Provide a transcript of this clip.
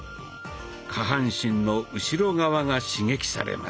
下半身の後ろ側が刺激されます。